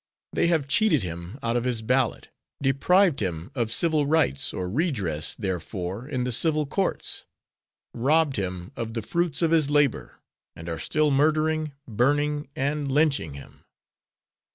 They have cheated him out of his ballot, deprived him of civil rights or redress therefor in the civil courts, robbed him of the fruits of his labor, and are still murdering, burning and lynching him.